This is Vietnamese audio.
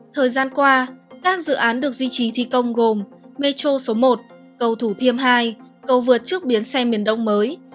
thời gian qua các dự án được duy trì thi công gồm metro số một cầu thủ thiêm hai cầu vượt trước biến xe miền đông mới